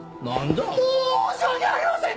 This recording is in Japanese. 申し訳ありません！